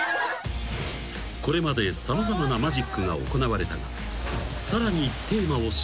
［これまで様々なマジックが行われたが］